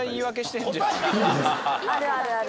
あるあるある。